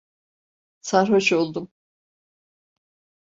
Sarhoş oldum.